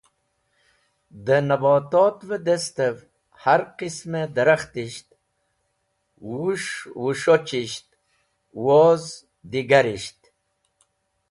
Dẽ nabotot’v-e destev har qism-e darakhtisht, wũs̃hwũs̃hochisht, woz digarisht.